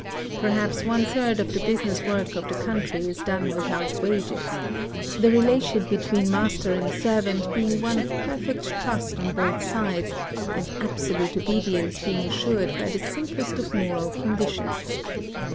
Per haps one third of the business work of the country is done without wages ; the relation between master and servant being one of per fect trust on both sides, and absolute obedi ence being assured by the simplest of moral conditions.